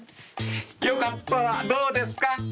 よかったらどうですか？